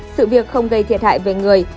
sự việc không gây thiệt hại về người